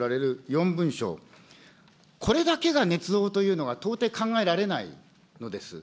４文書、これだけがねつ造というのは到底考えられないのです。